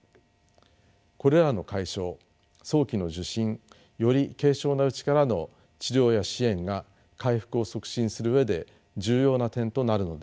これらの解消早期の受診より軽症なうちからの治療や支援が回復を促進する上で重要な点となるのです。